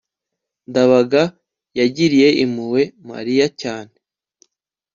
ndabaga yagiriye impuhwe mariya cyane